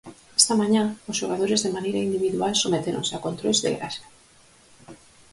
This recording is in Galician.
Esta mañá, os xogadores de maneira individual sometéronse a controis de graxa.